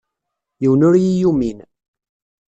Yiwen ur yi-yumin.